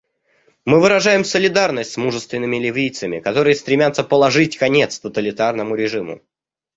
Мы выражаем солидарность с мужественными ливийцами, которые стремятся положить конец тоталитарному режиму.